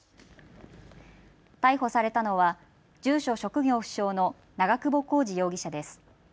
逮捕されたのは住所・職業不詳の長久保浩二容疑者です。